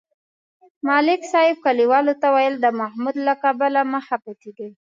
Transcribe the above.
ملک صاحب کلیوالو ته ویل: د محمود له کبله مه خپه کېږئ.